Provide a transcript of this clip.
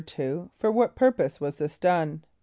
= For what purpose was this done?